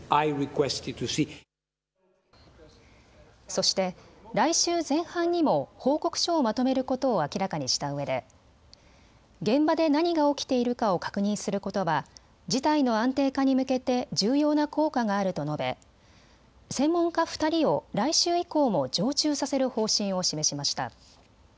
そして来週前半にも報告書をまとめることを明らかにしたうえで現場で何が起きているかを確認することは事態の安定化に向けて重要な効果があると述べ、専門家２人を来週以降も常駐させる方針を示しました。